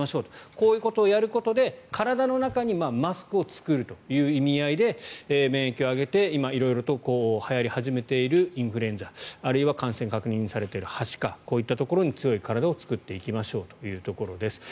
こういうことをやることで体の中にマスクを作るという意味合いで免疫を上げて今、色々とはやりはじめているインフルエンザあるいは感染が確認されているはしかこういったところに強い体を作っていきましょうというところです。